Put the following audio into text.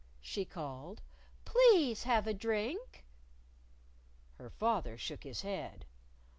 she called; "please have a drink!" Her father shook his head.